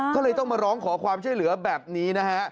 ก็เลยต้องมาร้องขอความช่วยเหลือแบบนี้นะฮะ